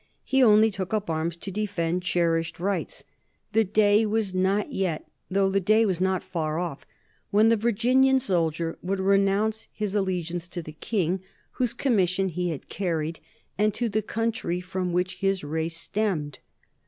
He only took up arms to defend cherished rights; the day was not yet, though the day was not far off, when the Virginian soldier would renounce his allegiance to the King whose commission he had carried and to the country from which his race stemmed.